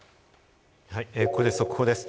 ここで速報です。